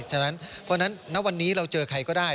เพราะงั้นแนะวันนี้เราเจอใครก็ได้